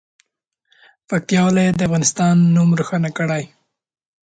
پکتیکا ولایت د افغانستان نوم روښانه کړي.